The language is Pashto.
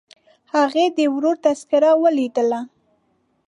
هغې د ورور تذکره ولیدله.